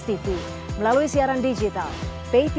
tapi google tadi saya cek kembali ke tangkas